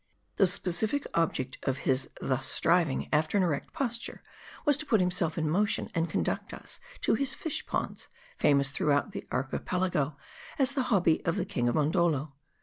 The specific object of his thus striving after an erect pos ture, was to put himself in motion, and conduct us to his fish ponds, famous throughout the Archipelago as the hobby of the king of Mondoldo.